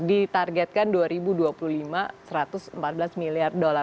ditargetkan dua ribu dua puluh lima satu ratus empat belas miliar dolar